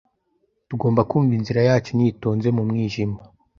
Tugomba kumva inzira yacu nitonze mu mwijima.